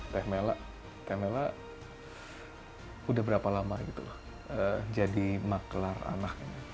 teh mela teh mela udah berapa lama gitu loh jadi makelar anak ini